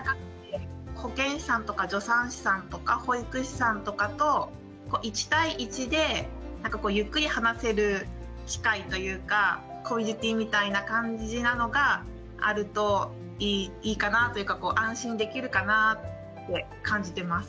保健師さんとか助産師さんとか保育士さんとかと１対１でゆっくり話せる機会というかコミュニティーみたいな感じなのがあるといいかなというか安心できるかなって感じてます。